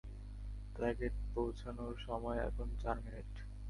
টার্গেটে পৌঁছানোর সময় এখন চার মিনিট।